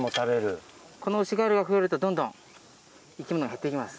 このウシガエルが増えるとどんどん生き物が減っていきます。